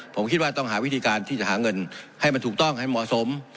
ผมคิดว่าต้องหาวิธีการที่จะหาเงินให้มันถูกต้องให้เหมาะสม